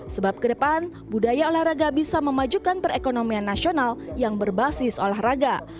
sebab ke depan budaya olahraga bisa memajukan perekonomian nasional yang berbasis olahraga